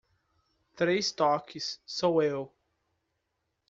Três toques sou eu.